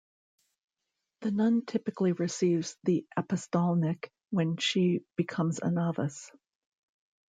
The nun typically receives the apostolnik when she becomes a novice.